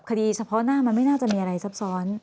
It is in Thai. คดีเฉพาะหน้ามันไม่น่าจะมีอะไรซับซ้อน